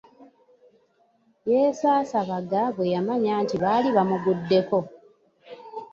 Yesaasabaga bwe yamanya nti baali bamuguddeko.